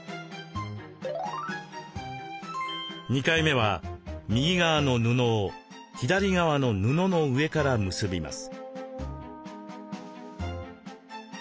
２回目は右側の布を左側の布の上から結びます。